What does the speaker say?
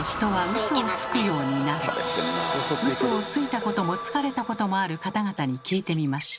ウソをついたこともつかれたこともある方々に聞いてみました。